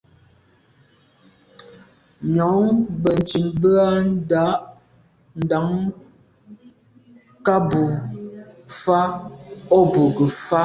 Nyòóŋ bə̀ntcìn bə́ á ndàá ndàŋ ká bù fâ’ o bù gə́ fà’.